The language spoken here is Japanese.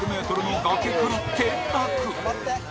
１００ｍの崖から転落。